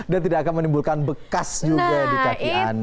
dan tidak akan menimbulkan bekas juga di kaki anda